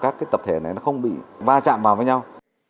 các cái tập thể này nó không bị va chạm vào với nhau